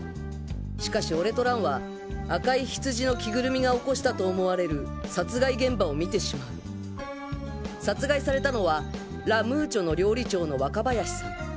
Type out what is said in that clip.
しかし俺と蘭は赤いヒツジの着ぐるみが起こしたと思われる殺害現場を見てしまう殺害されたのはラ・ムーチョの料理長の若林さん